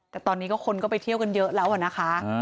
แต่ตอนนี้ก็คนก็ไปเที่ยวกันเยอะแล้วนะคะ